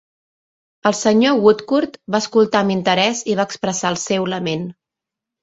El senyor Woodcourt va escoltar amb interès i va expressar el seu lament.